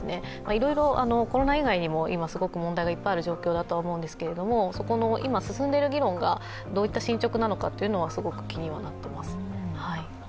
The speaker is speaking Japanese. いろいろコロナ以外にも今問題がいっぱいある状況だと思うんですけど、今進んでいる議論がどういった進捗なのかは、すごく気にはなっています。